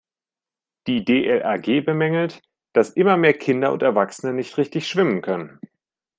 Die DLRG bemängelt, dass immer mehr Kinder und Erwachsene nicht richtig schwimmen können.